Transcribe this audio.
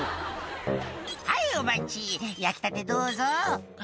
「はいお待ち焼きたてどうぞ」